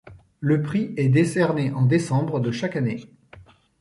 Le prix est décerné en décembre de chaque année.